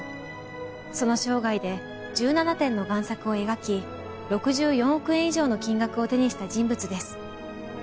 その生涯で１７点の贋作を描き６４億円以上の金額を手にした人物です。